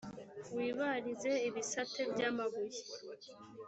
wibarize ibisate by amabuye